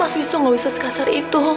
mas wisnu gak bisa sekasar itu